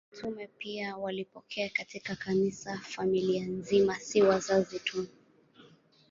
Mitume pia walipokea katika Kanisa familia nzima, si wazazi tu.